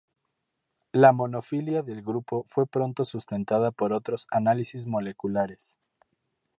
La monofilia del grupo fue pronto sustentada por otros análisis moleculares.